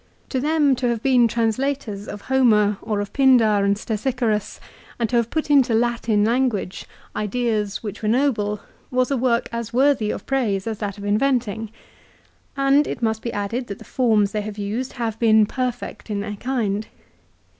To them to have been translators of Homer, or of Pindar and Stesichorus, and to have put into Latin language ideas which were noble, was a work as worthy of praise as that of inventing. And it must be added that the forms they have used have been perfect in their kind.